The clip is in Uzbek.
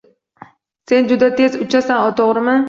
— Sen juda tez uchasan, to‘g‘rimi?